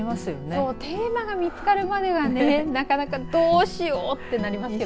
そうテーマが見つかるまではねなかなかどうしよってなりますよね。